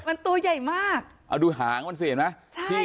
มันตัวใหญ่มากเอาดูหางมันสิเห็นไหมใช่